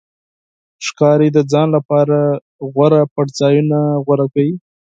ښکاري د ځان لپاره غوره پټنځایونه غوره کوي.